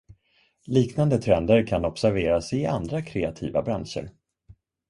Liknande trender kan observeras i andra kreativa branscher.